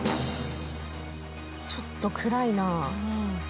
ちょっと暗いな。